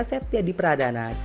setia di pradana jawa indonesia